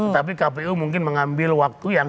tapi kpu mungkin mengambil waktu yang